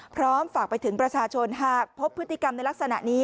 พร้อมฝากไปถึงประชาชนหากพบพฤติกรรมในลักษณะนี้